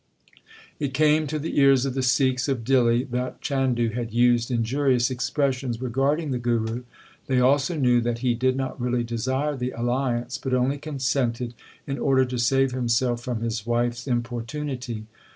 It came to the ears of the Sikhs of Dihli that Chandu had used injurious expressions regarding the Guru. They also knew that he did not really desire the alliance, but only consented in order to save himself from his wife s importunity.